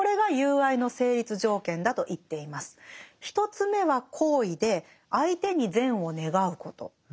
１つ目は好意で相手に善を願うこと。